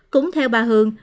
cũng theo bà hường